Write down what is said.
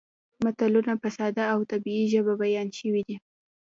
متلونه په ساده او طبیعي ژبه بیان شوي دي